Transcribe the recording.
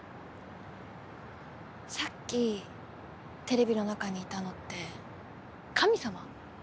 さっきテレビの中にいたのって神様？